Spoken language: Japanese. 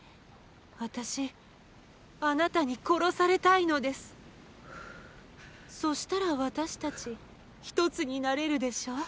私ッあなたに殺されたいのですッそしたら私達一つになれるでしょう？